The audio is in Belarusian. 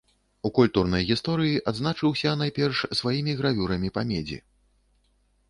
У культурнай гісторыі адзначыўся найперш сваімі гравюрамі па медзі.